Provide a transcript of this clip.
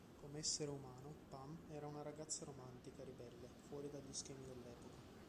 Come essere umano, Pam era una ragazza romantica e ribelle, fuori dagli schemi dell'epoca.